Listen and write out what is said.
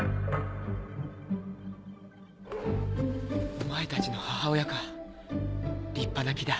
お前たちの母親か立派な木だ。